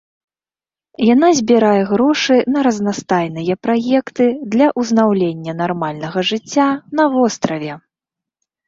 Яна збірае грошы на разнастайныя праекты для ўзнаўлення нармальнага жыцця на востраве.